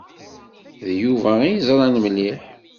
D Yuba i yeẓṛan mliḥ.